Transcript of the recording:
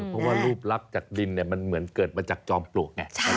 เพราะว่ารูปลักษณ์จากดินมันเหมือนเกิดมาจากจอมปลวกไง